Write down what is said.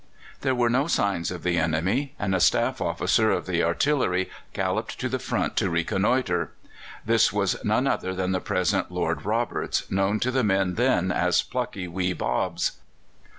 There were no signs of the enemy, and a staff officer of the artillery galloped to the front to reconnoitre. This was none other than the present Lord Roberts, known to the men then as "Plucky Wee Bobs."